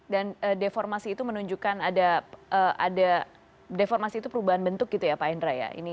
dan deformasi itu menunjukkan ada deformasi itu perubahan bentuk gitu ya pak hendra ya